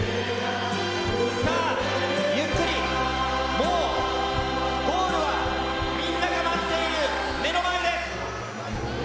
さあ、ゆっくり、もうゴールはみんなが待っている目の前です。